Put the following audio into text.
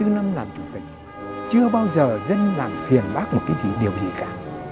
bốn mươi năm làm chủ tịch chưa bao giờ dân làm phiền bác một cái gì điều gì cả